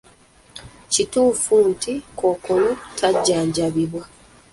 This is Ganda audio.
Kituufu nti kkookolo tajjanjabibwa?